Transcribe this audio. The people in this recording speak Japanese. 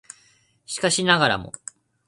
しかしながらも